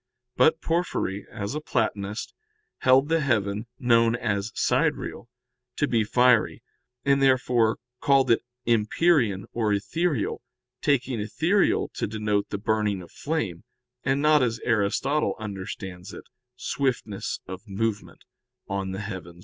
But Porphyry, as a Platonist, held the heaven, known as sidereal, to be fiery, and therefore called it empyrean or ethereal, taking ethereal to denote the burning of flame, and not as Aristotle understands it, swiftness of movement (De Coel.